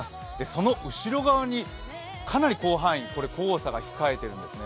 その後ろ側に、かなり広範囲にこれ黄砂が控えてるんですね。